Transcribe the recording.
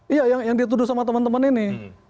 iya yang dituduh sama teman teman ini